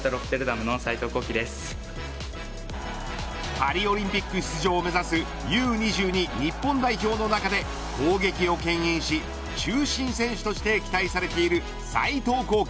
パリオリンピック出場を目指すＵ‐２２日本代表の中で攻撃をけん引し中心選手として期待されている斉藤光毅